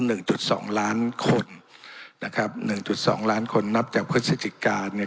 หนึ่งจุดสองล้านคนนะครับหนึ่งจุดสองล้านคนนับจากพฤศจิกาเนี่ย